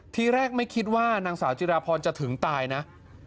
ทีแรกไม่คิดว่านางสาวจิราพรจะถึงตายนะ